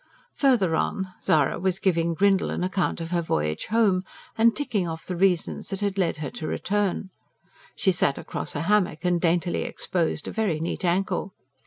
Further on, Zara was giving Grindle an account of her voyage "home," and ticking off the reasons that had led to her return. She sat across a hammock, and daintily exposed a very neat ankle.